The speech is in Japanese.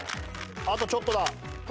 あとちょっとだ。